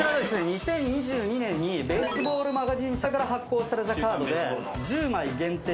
２０２２年にベースボール・マガジン社から発行されたカードで１０枚限定のキラです。